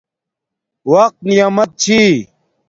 وقت نعمت چھی